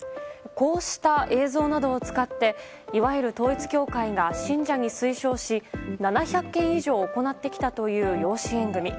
こうした映像などを使っていわゆる統一教会が信者に推奨し７００件以上行ってきたという養子縁組。